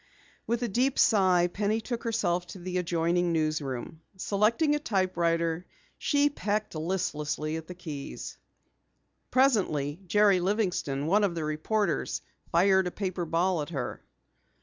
With a deep sigh, Penny took herself to the adjoining newsroom. Selecting a typewriter, she pecked listlessly at the keys. Presently Jerry Livingston, one of the reporters, fired a paper ball at her.